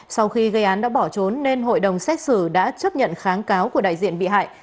sau khi gây án đã bỏ trốn nên hội đồng xét xử đã chấp nhận kháng cáo của đại diện bị hại